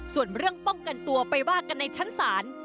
ส่วนเรื่องป้องกันตัวไปว่ากันในชั้นศาล